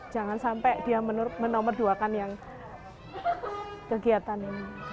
jangan sampai dia menomorduakan yang kegiatan ini